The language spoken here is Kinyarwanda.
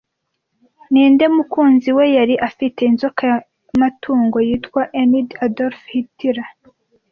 Ninde mukunzi we yari afite inzoka yamatungo yitwa Enid Adolf Hitler